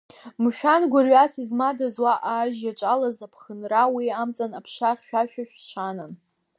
Мшәан, гәырҩас измадаз, уаҟа ажь иаҿалаз, аԥхынра уи амҵан аԥша хьшәашәа шанан.